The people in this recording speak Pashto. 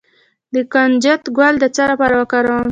د کنجد ګل د څه لپاره وکاروم؟